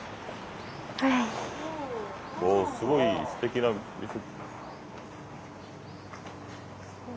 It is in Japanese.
おすごいすてきな店。